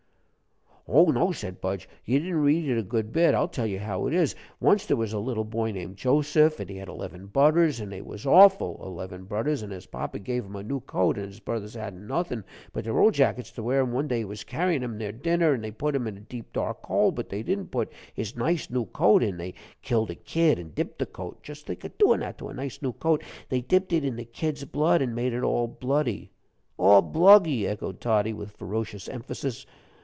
"Oh, no," said Budge, "you didn't read it good a bit; I'll tell you how it is. Once there was a little boy named Joseph, an' he had eleven budders they was awful eleven budders. An' his papa gave him a new coat, an' his budders hadn't nothin' but their old jackets to wear. An' one day he was carryin' 'em their dinner, an' they put him in a deep, dark hole, but they didn't put his nice new coat in they killed a kid, an' dipped the coat just think of doin' that to a nice new coat they dipped it in the kid's blood, an' made it all bloody." "All bluggy," echoed Toddy, with ferocious emphasis.